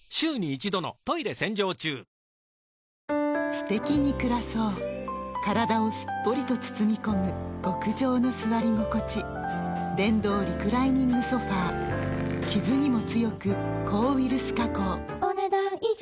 すてきに暮らそう体をすっぽりと包み込む極上の座り心地電動リクライニングソファ傷にも強く抗ウイルス加工お、ねだん以上。